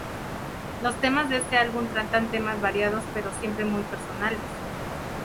Los temas de este álbum tratan temas variados, pero siempre muy personales.